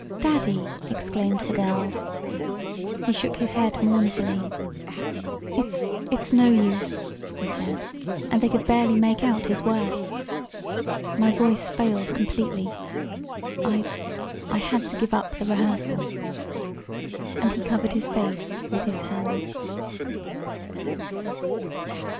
"Daddy!" exclaimed the girls. He shook his head mournfully. "It it's no use!" he said, and they could barely make out his words. "My voice failed completely. I I had to give up the rehearsal," and he covered his face with his hands.